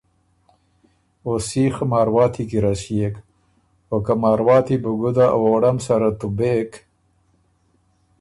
او سیخ مارواتی کی رسئېک او که مارواتی بو ګُده ا ووړم سره تُبېک